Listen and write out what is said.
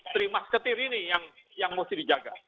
terima setir ini yang mesti dijaga